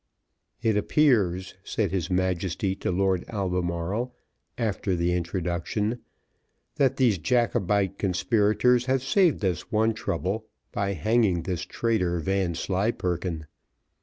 "It appears," said his Majesty to Lord Albemarle, after the introduction, "that these Jacobite conspirators have saved us one trouble by hanging this traitor, Vanslyperken."